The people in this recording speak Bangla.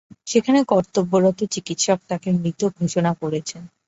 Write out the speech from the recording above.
সেখানে কর্তব্যরত চিকিৎসক তাঁকে মৃত ঘোষণা করেছেন।